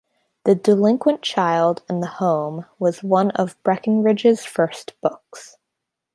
"The Delinquent Child and the Home" was one of Breckinridge's first books.